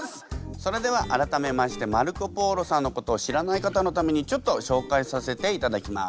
それでは改めましてマルコ・ポーロさんのことを知らない方のためにちょっと紹介させていただきます。